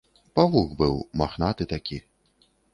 Павук быў, махнаты такі.